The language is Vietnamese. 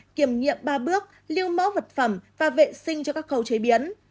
kiểm nghiệm ba bước lưu mẫu vật phẩm và vệ sinh cho các khâu chế biến